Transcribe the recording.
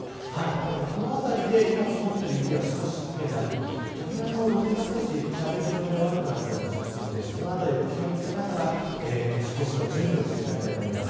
このあたりで今積もってる雪が少し溶けたり逆に路面が少しシャーベット状で悪くなったりもするのでそのあたりを気を付けながら年越しの準備をしていただきたいと思います。